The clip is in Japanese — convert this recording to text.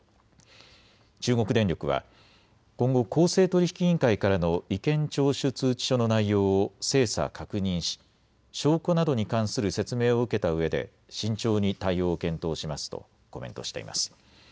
中国電力は今後、公正取引委員会からの意見聴取通知書の内容を精査・確認し証拠などに関する説明を受けたうえで慎重に対応を検討しますとコメントしています。